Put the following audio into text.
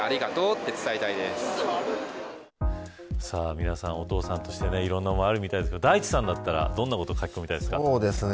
皆さん、お父さんとしていろんな思いあるみたいですけど大地さんだったら、どんなことを書き込みたいですか。